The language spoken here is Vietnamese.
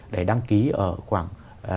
để đăng ký ở khoảng